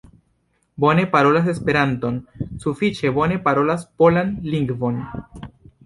Bone parolas esperanton, sufiĉe bone parolas polan lingvon.